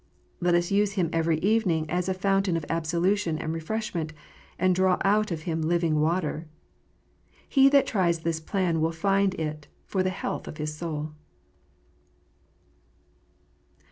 Let us use Him every evening as a Fountain of absolution and refreshment, and draw out of Him living water. He that tries this plan will find it for the health of his soul.